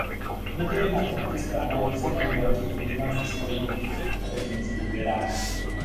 Metody matematické analýzy mají velký význam v přírodních a technických vědách.